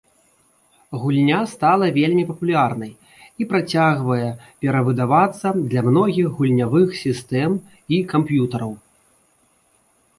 Гульня стала вельмі папулярнай і працягвае перавыдавацца для многіх гульнявых сістэм і камп'ютараў.